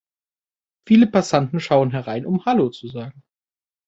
Viele Passanten schauen herein, um „Hallo“ zu sagen.